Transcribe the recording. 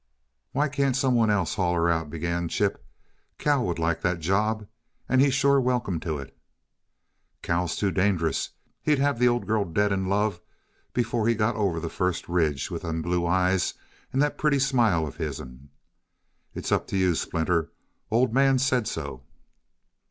"Why can't some one else haul her out?" began Chip. "Cal would like that job and he's sure welcome to it." "Cal's too dangerous. He'd have the old girl dead in love before he got her over the first ridge, with them blue eyes and that pretty smile of his'n. It's up to you, Splinter Old Man said so."